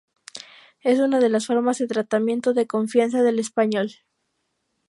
Es una de las formas de tratamiento de confianza del español.